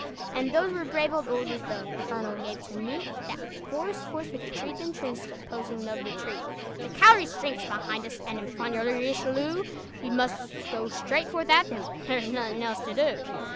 And those were brave old orders The colonel gave to meet That forest force with trees entrenched Opposing the retreat: "De Callière's strength's behind us, And in front your Richelieu; We must go straightforth at them; There is nothing else to do."